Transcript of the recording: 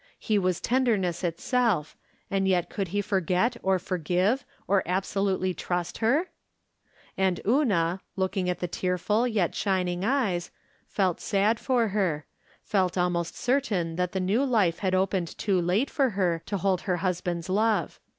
He was tenderness itself, and yet could he forget or forgive or absolutely trust her ? And Una, looking at the tearful yet shining eyes, felt sad for her — felt almost certain that the new life had opened too late for her to hold her husband's love.